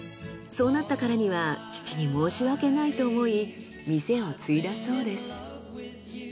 そうなったからには父に申し訳ないと思い店を継いだそうです。